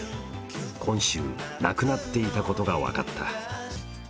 今週、亡くなっていたことが分かった。